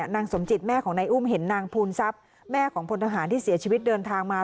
นางสมจิตแม่ของนายอุ้มเห็นนางภูมิทรัพย์แม่ของพลทหารที่เสียชีวิตเดินทางมา